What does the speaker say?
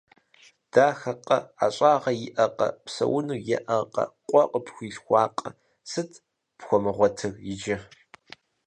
Дахэкъэ, ӏэщӏагъэ иӏэкъэ, псэуну еӏэркъэ, къуэ къыпхуилъхуакъэ. Сыт пхуэмыгъуэтыр иджы?